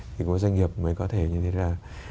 thì có doanh nghiệp mới có thể như thế là